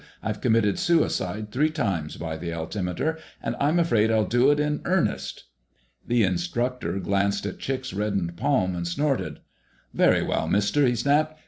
I've committed suicide three times by the altimeter, and I'm afraid I'll do it in earnest!" The instructor glanced at Chick's reddened palm and snorted. "Very well, Mister," he snapped.